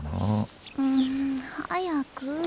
うん早く。